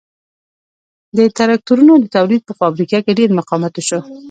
د ترکتورونو د تولید په فابریکه کې ډېر مقاومت وشو